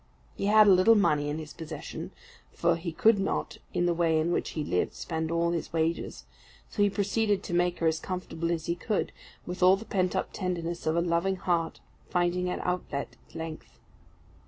He had a little money in his possession, for he could not, in the way in which he lived, spend all his wages; so he proceeded to make her as comfortable as he could, with all the pent up tenderness of a loving heart finding an outlet at length.